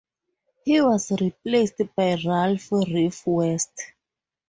He was replaced by Ralph "Riff" West.